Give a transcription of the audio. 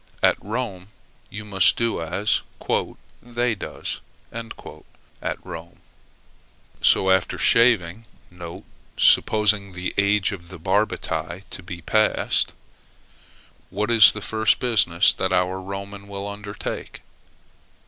At Rome, you must do as "they does" at Rome. So, after shaving, (supposing the age of the Barbati to be passed), what is the first business that our Roman will undertake?